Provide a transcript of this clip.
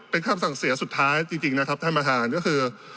เป็นคำสั่งเสียสุดท้ายจริงนะครับท่านประธานก็คือ